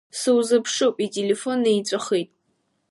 Сузыԥшуп, ителефон наиҵәахит.